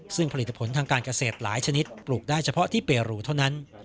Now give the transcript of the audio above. ซึ่งผลิตผลทางการเกษตรหลายชนิดปลูกได้เฉพาะที่เปรูเท่านั้น